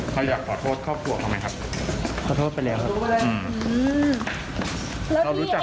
พี่ค่ะพอดีว่ามันมีประเด็นเรื่องว่าจ้าง